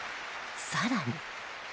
更に